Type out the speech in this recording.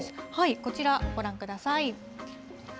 こちら、ご覧ください。